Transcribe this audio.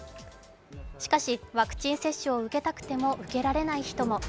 しかし、ワクチン接種を受けたくても受けられない人も。